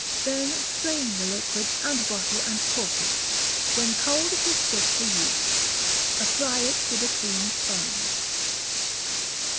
Then strain the liquid, and bottle and cork it: when cold it is fit for use. Apply it with a clean sponge.